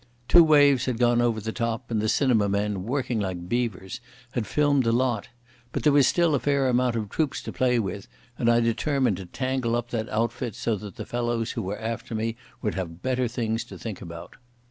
Two waves had gone over the top, and the cinema men, working like beavers, had filmed the lot. But there was still a fair amount of troops to play with, and I determined to tangle up that outfit so that the fellows who were after me would have better things to think about.